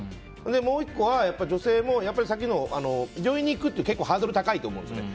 もう１個は女性もさっきの病院に行くって結構ハードル高いと思うんですね。